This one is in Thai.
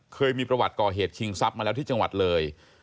เคยมีประวัติก่อเหตุชิงทรัพย์มาแล้วที่จังหวัดเลย